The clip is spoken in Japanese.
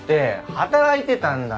働いてたんだよ。